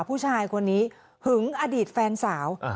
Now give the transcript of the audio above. ผู้ชายคนนี้หึงอดีตแฟนสาว